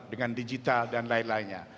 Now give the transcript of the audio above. dengan digital dan lain lainnya